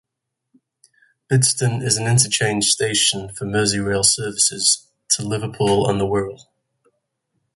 Bidston is an interchange station for Merseyrail services to Liverpool and the Wirral.